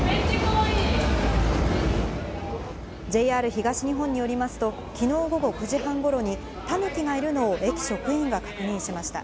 ＪＲ東日本によりますと、きのう午後９時半ごろに、タヌキがいるのを駅職員が確認しました。